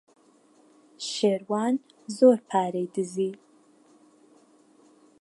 شێروان زۆر پارەی دزی.